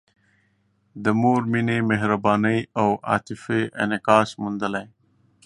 د مور مینه، مهرباني او عاطفه انعکاس موندلی.